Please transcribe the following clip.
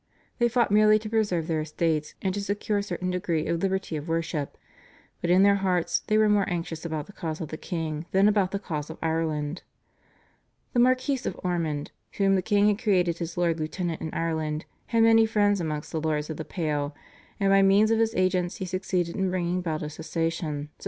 They fought merely to preserve their estates and to secure a certain degree of liberty of worship, but in their hearts they were more anxious about the cause of the king than about the cause of Ireland. The Marquis of Ormond, whom the king had created his Lord Lieutenant in Ireland, had many friends amongst the Lords of the Pale, and by means of his agents he succeeded in bringing about a cessation (Sept.